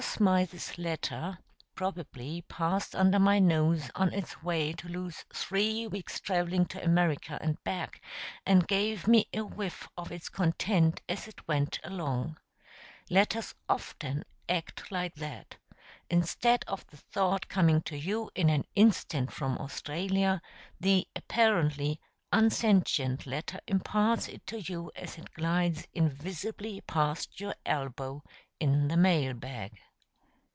Smythe's letter probably passed under my nose on its way to lose three weeks traveling to America and back, and gave me a whiff of its contents as it went along. Letters often act like that. Instead of the thought coming to you in an instant from Australia, the (apparently) unsentient letter imparts it to you as it glides invisibly past your elbow in the mail bag.